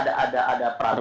jadi ada peraduan